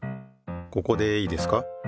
ここでいいですか。